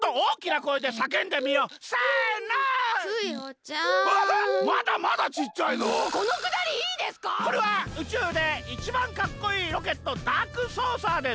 これはうちゅうでいちばんかっこいいロケットダークソーサーです！